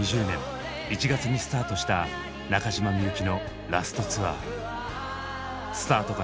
２０２０年１月にスタートした中島みゆきのラスト・ツアー。